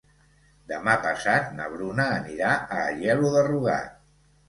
Demà passat na Bruna anirà a Aielo de Rugat.